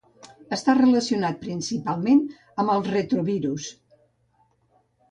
Està relacionat principalment amb els retrovirus.